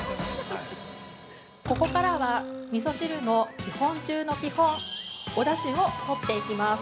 ◆ここからはみそ汁の基本中の基本おだしを取っていきます。